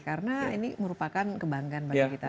karena ini merupakan kebanggaan bagi kita